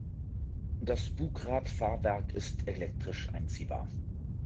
Das Bugradfahrwerk ist elektrisch einziehbar.